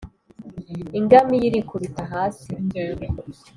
ingamiya irikubita hasi,